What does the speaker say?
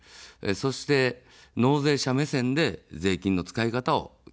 そして、納税者目線で税金の使い方を決める。